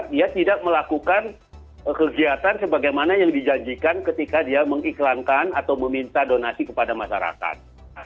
dia tidak melakukan kegiatan sebagaimana yang dijanjikan ketika dia mengiklankan atau meminta donasi kepada masyarakat